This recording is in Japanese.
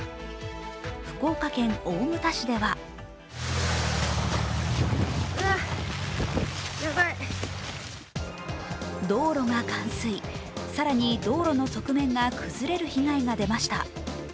福岡県大牟田市では道路が冠水、更に道路の側面が崩れる被害が出ました。